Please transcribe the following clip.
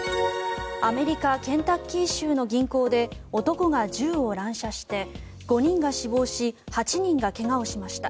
アメリカ・ケンタッキー州の銀行で男が銃を乱射して５人が死亡し８人が怪我をしました。